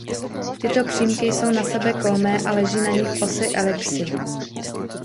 Tyto přímky jsou na sebe kolmé a leží na nich osy elipsy.